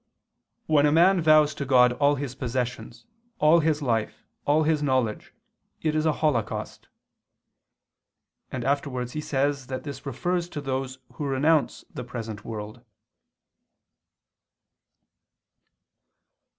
"When a man vows to God all his possessions, all his life, all his knowledge, it is a holocaust"; and afterwards he says that this refers to those who renounce the present world.